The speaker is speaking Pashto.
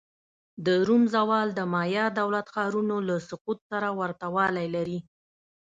د روم زوال د مایا دولت ښارونو له سقوط سره ورته والی لري.